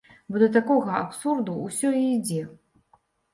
Бо да такога абсурду ўсё і ідзе.